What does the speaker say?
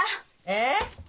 えっ？